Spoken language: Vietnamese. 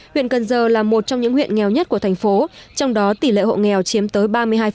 huyện cần giờ là một trong những huyện nghèo nhất của thành phố trong đó tỷ lệ hộ nghèo chiếm tới ba mươi hai